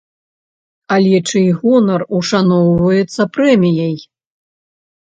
Але чый гонар ушаноўваецца прэміяй?